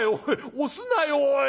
押すなよおい。